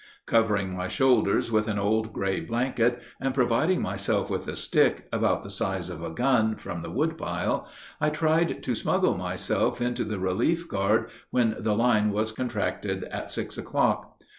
Covering my shoulders with an old gray blanket and providing myself with a stick, about the size of a gun, from the woodpile, I tried to smuggle myself into the relief guard when the line was contracted at six o'clock.